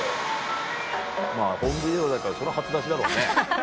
まぁホームビデオだからそりゃ初出しだろうね。